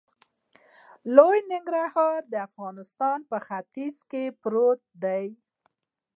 لوی ننګرهار د افغانستان په ختیځ کې پروت دی.